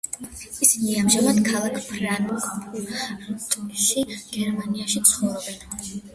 ისინი ამჟამად ქალაქ ფრანკფურტში, გერმანიაში, ცხოვრობენ.